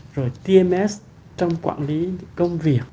rồi tms trong quản lý công việc